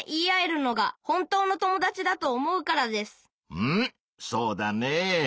うんそうだね。